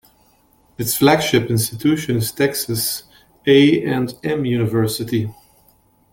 Its flagship institution is Texas A and M University.